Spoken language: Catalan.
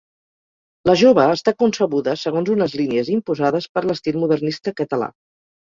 La jove està concebuda segons unes línies imposades per l'estil modernista català.